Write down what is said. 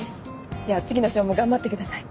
じゃあ次のショーも頑張ってください。